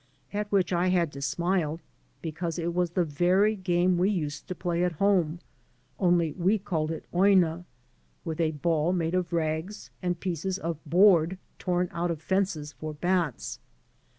At which I had to smile, because it was the very game we used to play at home — only we called it "oina" — ^with a ball made of rags and pieces of board torn out of fences for bats.